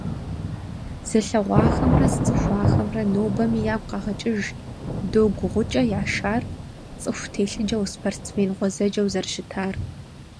Зылъэгъуахэмрэ зыцӀыхуахэмрэ нобэми ягу къагъэкӀыж Догу-ГъукӀэ Яшар цӀыху телъыджэу, спортсмен гъуэзэджэу зэрыщытар.